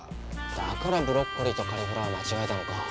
だからブロッコリーとカリフラワー間違えたのか。